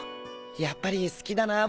やっぱり好きだなぁ